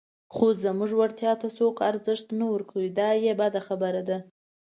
خو زموږ وړتیا ته څوک ارزښت نه ورکوي، دا یې بده خبره ده.